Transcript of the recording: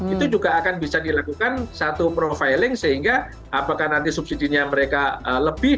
itu juga akan bisa dilakukan satu profiling sehingga apakah nanti subsidinya mereka lebih